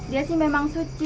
dia sih memang suci